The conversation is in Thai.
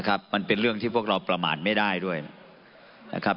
มันเป็นเรื่องที่พวกเราประมาณไม่ได้ด้วยนะครับ